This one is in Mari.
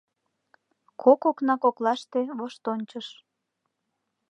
Кок окна коклаште воштончыш.